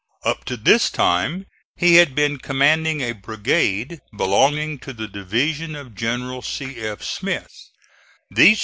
Up to this time he had been commanding a brigade belonging to the division of General C. F.